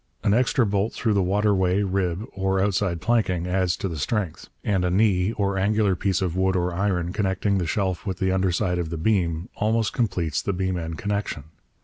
An extra bolt through the waterway, rib, and outside planking adds to the strength; and a knee, or angular piece of wood or iron connecting the shelf with the under side of the beam, almost completes the beam end connection.